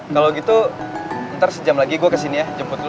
kalo gitu ntar sejam lagi gua kesini ya jemput lu